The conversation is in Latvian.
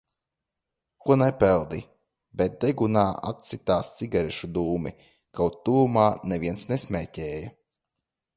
"Ko nepeldi?" Bet degunā atsitās cigarešu dūmi, kaut tuvumā neviens nesmēķēja.